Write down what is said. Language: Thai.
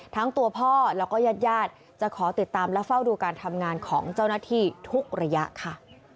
ทั้งตัวพ่อแล้วก็ญาติญาติจะขอติดตามและเฝ้าดูการทำงานของเจ้าหน้าที่ทุกระยะค่ะ